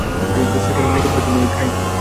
সেখানে নতুন কিছু নেই, কাই।